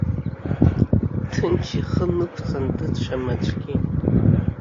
Ҭынч ихы нықәҵаны дыцәам аӡәгьы.